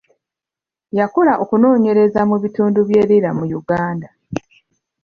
Yakola okunoonyereza mu bitundu bye Lira mu Uganda.